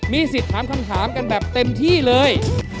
มีสิทธิ์ถามคำถามกันแบบเต็มที่เลย